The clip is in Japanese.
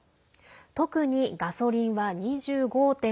特に、ガソリンは２５．６％